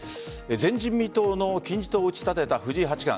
前人未到の金字塔を打ち立てた藤井八冠。